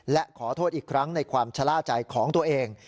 และขอโทษอีกครั้งในความชะล่าใจของตัวเอง